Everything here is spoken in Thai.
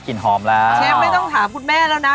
หอมแล้วเชฟไม่ต้องถามคุณแม่แล้วนะ